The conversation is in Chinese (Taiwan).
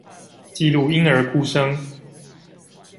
記錄嬰兒哭聲